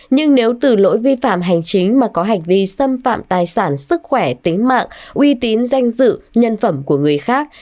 nhưng nếu từ lỗi vi phạm hành chính mà có hành vi xâm phạm tài sản sức khỏe tính mạng uy tín danh dự nhân phẩm của người khác